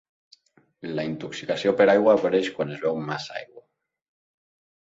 La intoxicació per aigua apareix quan es beu massa aigua.